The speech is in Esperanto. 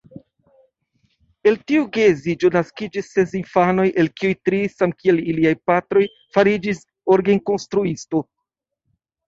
El tiu geedziĝo naskiĝis ses infanoj, el kiuj tri samkiel ilia patro fariĝis orgenkonstruisto.